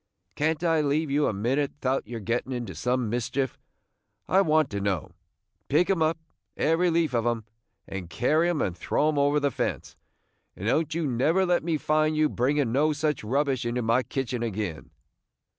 "Can't I leave you a minute 'thout your gettin' into some mischief, I want to know? Pick 'em up, every leaf of 'em, and carry 'em and throw 'em over the fence; and don't you never let me find you bringing no such rubbish into my kitchen agin!"